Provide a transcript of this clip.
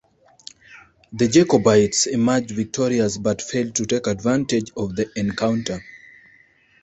The Jacobites emerged victorious, but failed to take advantage of the encounter.